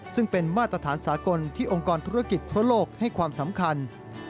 ซึ่งเป็นมาตรฐานสากลที่องค์กรธุรกิจทั่วโลกให้ความสำคัญ